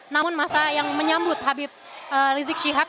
namun masa yang menyambut habib rizik syihab